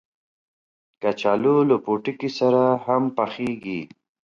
کچالو له پوټکي سره هم پخېږي